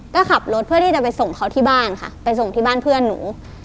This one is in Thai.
ก็ขับรถเพื่อที่จะไปส่งเขาที่บ้านค่ะไปส่งที่บ้านเพื่อนหนู